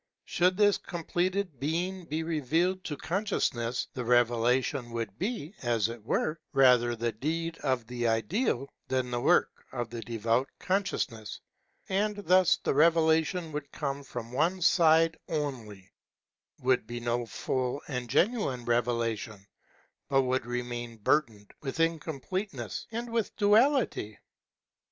Should this completed being be revealed to consciousness, the revelation would be, as it were, rather the deed of the Ideal than the work of the Devout Consciousness; and thus the revelation would come from one side alone, would be no full and genuine revelation, but would remain burdened with incompleteness and with duality.